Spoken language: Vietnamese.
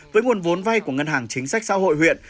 với nguồn vốn vay của ngân hàng chính sách xã hội huyện